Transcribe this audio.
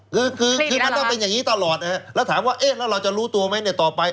คือคือมันต้องเป็นอย่างนี้ตลอดนะฮะแล้วถามว่าเอ๊ะแล้วเราจะรู้ตัวไหมเนี่ยต่อไป